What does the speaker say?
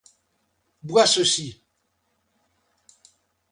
Bois ceci!